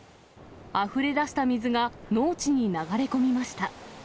あふれ出した水が農地に流れ込みました。